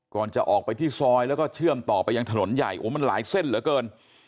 ก่อนจะออกไปที่ซอยแล้วก็เชื่อมต่อไปยังถนนใหญ่โอ้มันหลายเส้นเหลือเกิน